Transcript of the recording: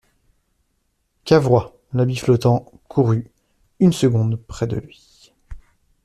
Cavrois, l'habit flottant, courut, une seconde, près de lui.